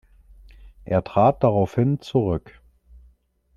Er trat daraufhin zurück.